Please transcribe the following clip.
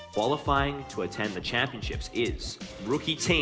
ketua untuk menang ke pertandingan adalah tim rookie tujuh tujuh satu sembilan